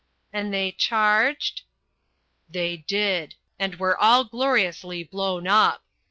"And they charged?" "They did and were all gloriously blown up.